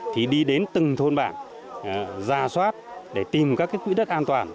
thì đi đến từng thôn bản ra soát để tìm các quỹ đất an toàn